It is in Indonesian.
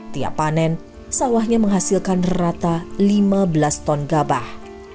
tiap panen sawahnya menghasilkan rata lima belas ton gabah